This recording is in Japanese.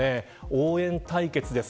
応援対決です。